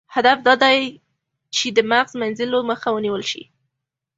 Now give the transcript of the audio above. هدف دا دی چې د مغز مینځلو مخه ونیول شي.